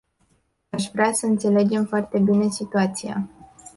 Aș vrea să înțelegem foarte bine situația.